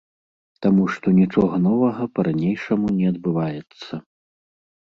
Таму што нічога новага па-ранейшаму не адбываецца.